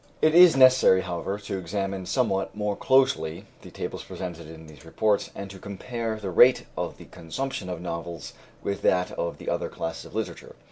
It is necessary, however, to examine somewhat more closely the tables presented in these reports, and to compare the rate of the consumption of novels with that of other classes of literature.